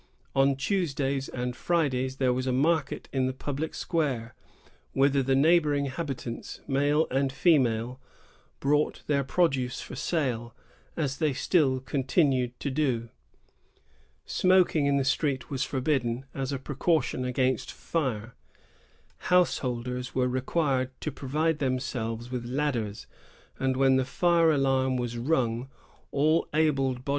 On Tuesdays and Fridays there was a market in the public square, whither the neighboring habitants^ male and female, brought their produce for sale, as they still continue to do. Smoking in the street was forbidden, as a precaution against fire ; householders were required to provide themselves with ladders, and when the fire alarm was rung all able bodied ^ Acte offictelle, 1648, cited hy Ferland, Cours cTHtstoire du Canad<^, i.